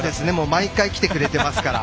毎回来てくれてますから。